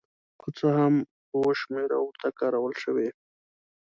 که څه هم اوه شمېره ورته کارول شوې.